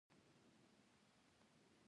انا د کورنۍ وقار ده